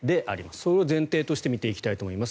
それを前提として見ていきたいと思います。